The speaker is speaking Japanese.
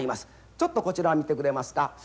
ちょっとこちらを見てくれますか。